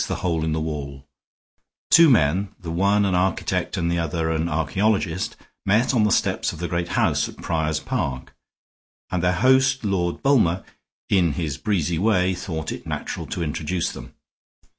THE HOLE IN THE WALL Two men, the one an architect and the other an archaeologist, met on the steps of the great house at Prior's Park; and their host, Lord Bulmer, in his breezy way, thought it natural to introduce them.